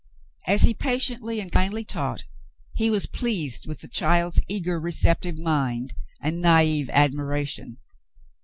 As he patiently and kindly taught, he was pleased with the child's eager, re ceptive mind and naive admiration.